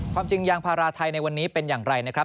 ความจริงยางพาราไทยในวันนี้เป็นอย่างไรนะครับ